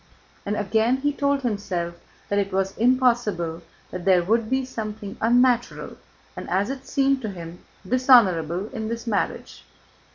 and again he told himself that it was impossible, that there would be something unnatural, and as it seemed to him dishonorable, in this marriage.